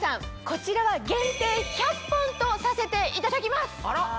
こちらは限定１００本とさせていただきます。